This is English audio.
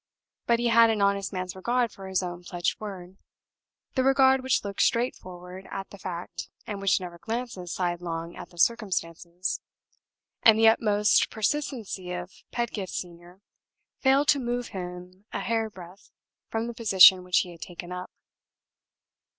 But he had an honest man's regard for his own pledged word the regard which looks straightforward at the fact, and which never glances sidelong at the circumstances and the utmost persistency of Pedgift Senior failed to move him a hairbreadth from the position which he had taken up.